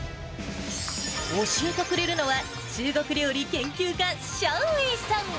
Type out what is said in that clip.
教えてくれるのは、中国料理研究家、シャウ・ウェイさん。